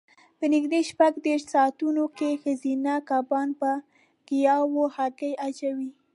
په نږدې شپږ دېرش ساعتو کې ښځینه کبان پر ګیاوو هګۍ اچوي.